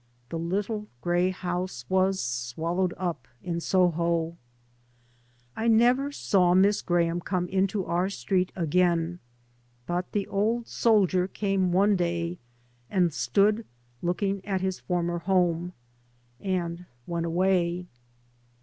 The little grey house was swallowed up in Soho. I never saw Miss Graham come into our street again. But the old soldier came one 3 by Google MY MOTHER AND I day, and stood looking at his former home, and went away.